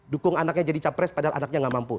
dukung anaknya jadi capres padahal anaknya nggak mampu